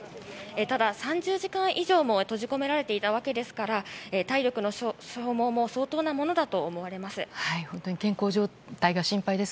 ただ、３０時間以上も閉じ込められていたわけですから体力の消耗も相当なものだと思われます。